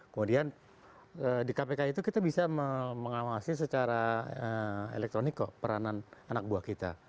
kemudian di kpk itu kita bisa mengawasi secara elektronik kok peranan anak buah kita